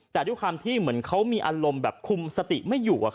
แต่ด้วยความที่เหมือนเขามีอารมณ์แบบคุมสติไม่อยู่